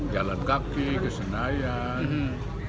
jalan kaki kesenayan